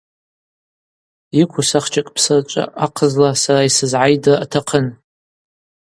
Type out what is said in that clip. Йыкву сахчак псарчӏвы ахъзла сара йсызгӏайдра атахъын.